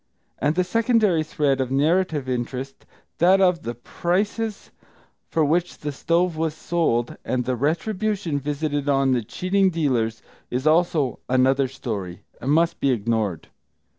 And the secondary thread of narrative interest, that of the prices for which the stove was sold, and the retribution visited on the cheating dealers, is also "another story," and must be ignored.